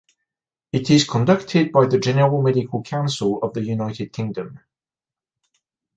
It is conducted by the General Medical Council of the United Kingdom.